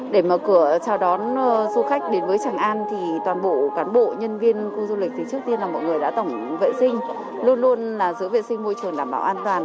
để mở cửa chào đón du khách đến với tràng an thì toàn bộ cán bộ nhân viên khu du lịch thì trước tiên là mọi người đã tổng vệ sinh luôn luôn là giữ vệ sinh môi trường đảm bảo an toàn